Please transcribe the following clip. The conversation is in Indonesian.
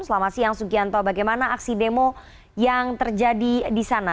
selamat siang sugianto bagaimana aksi demo yang terjadi di sana